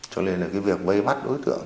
cho nên là cái việc bây bắt đối tượng